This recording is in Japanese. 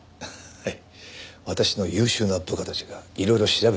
はい。